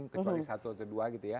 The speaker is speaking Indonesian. kecuali satu atau dua gitu ya